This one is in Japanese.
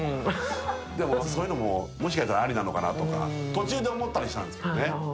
でも、そういうのももしかしたらありなのかなとか、途中で思ったりしたんですけどね。